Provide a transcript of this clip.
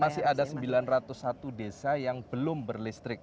masih ada sembilan ratus satu desa yang belum berlistrik